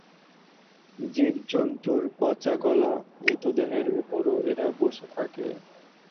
জীবজন্তুর পচা গলা মৃত দেহের উপরও এরা বসে থাকে।